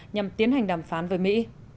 nhằm tiến hành đàm phán với mỹ